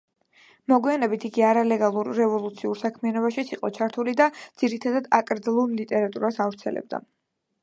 მოგვიანებით იგი არალეგალურ რევოლუციურ საქმიანობაშიც იყო ჩართული და ძირითადად აკრძალულ ლიტერატურას ავრცელებდა.